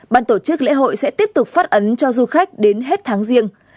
ban tổ chức lễ hội sẽ tiếp tục phát ấn cho du khách đến hết tháng riêng